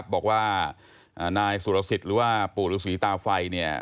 บอกว่านายสุรสิทธิ์หรือว่าปู่ฤษีตาไฟ